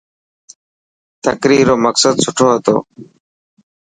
تقرير رو مقصد سٺو هتو.